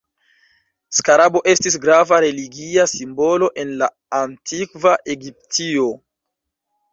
Skarabo estis grava religia simbolo en la Antikva Egiptio.